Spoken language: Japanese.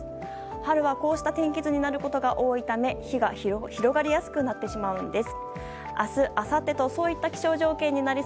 春は、こうした天気図になることが多いため火が広がりやすくなってしまうんです。